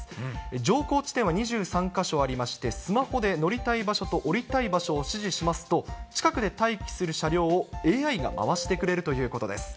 乗降地点は２３か所ありまして、スマホで乗りたい場所と降りたい場所を指示しますと、近くで待機する車両をＡＩが回してくれるということです。